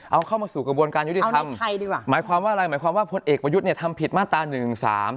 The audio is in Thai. เอาเข้ามาสู่กระบวนการยุทธิธรรม